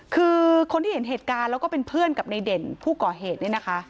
คือคนที่เห็นเหตุการณ์แล้วก็เป็นเพื่อนกับในเด่นผู้ก่อเหตุเนี่ยนะคะ